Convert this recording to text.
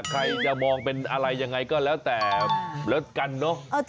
ใครจะมองเป็นอะไรยังไงก็แล้วแต่แล้วกันเนอะ